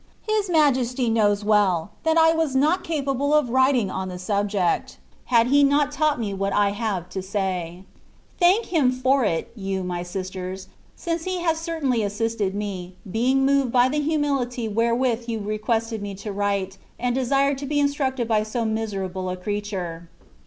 His Majesty knows well, that I was not capable of writing on the subject, had He not taught me what I have said. Thank Him for it, you my sisters, since He has certainly assisted me, being moved by the humility where with you requested me to write, and desired to be instructed by so miserable a creature.